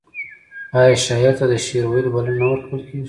آیا شاعر ته د شعر ویلو بلنه نه ورکول کیږي؟